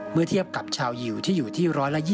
เมื่อเทียบกับชาวยิวที่อยู่ที่๑๒๐